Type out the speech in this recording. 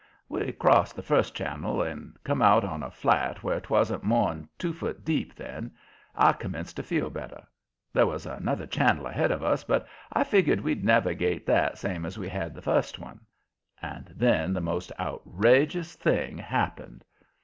We crossed the first channel and come out on a flat where 'twasn't more'n two foot deep then. I commenced to feel better. There was another channel ahead of us, but I figured we'd navigate that same as we had the first one. And then the most outrageous thing happened.